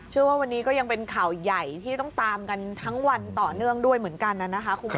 ว่าวันนี้ก็ยังเป็นข่าวใหญ่ที่ต้องตามกันทั้งวันต่อเนื่องด้วยเหมือนกันนะคะคุณผู้ชม